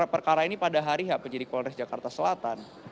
perkara ini pada hari h penyidik polres jakarta selatan